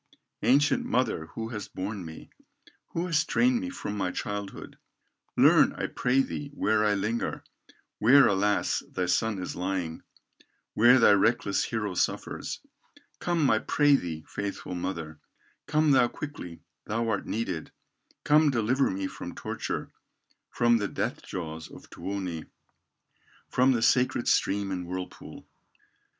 "Ancient mother who hast borne me, Who hast trained me from my childhood, Learn, I pray thee, where I linger, Where alas! thy son is lying, Where thy reckless hero suffers. Come, I pray thee, faithful mother, Come thou quickly, thou art needed, Come deliver me from torture, From the death jaws of Tuoni, From the sacred stream and whirlpool."